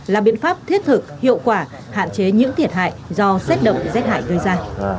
là biện pháp thiết thực hiệu quả hạn chế những thiệt hại do xét động rét hại gây ra